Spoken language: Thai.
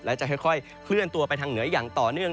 และจะค่อยเคลื่อนตัวไปทางเหนืออย่างต่อเนื่อง